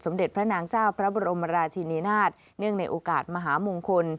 เด็จพระนางเจ้าพระบรมราชินีนาฏเนื่องในโอกาสมหามงคล